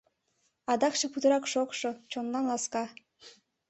Адакше путырак шокшо, чонлан ласка.